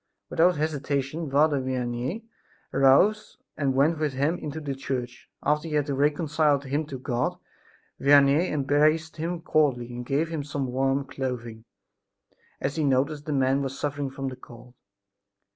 Without hesitation, Father Vianney arose and went with him into the church. After he had reconciled him to God Vianney embraced him cordially and gave him some warm clothing, as he noticed the man was suffering from the cold.